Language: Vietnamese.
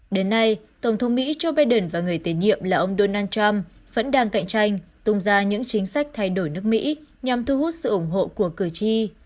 đến nay tổng thống mỹ joe biden và người tiến nhiệm là ông donald trump vẫn đang cạnh tranh tung ra những chính sách thay đổi nước mỹ nhằm thu hút sự ủng hộ của cử tri